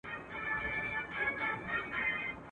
چي سزا یې په قسمت وه رسېدلې.